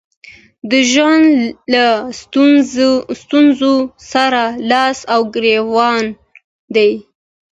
د ژوند له ستونزو سره لاس او ګرېوان دي.